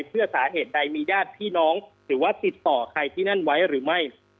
เพื่อสาเหตุใดมีญาติพี่น้องหรือว่าติดต่อใครที่นั่นไว้หรือไม่